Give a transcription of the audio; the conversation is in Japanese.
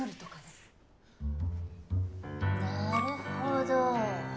なるほど。